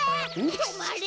とまれ！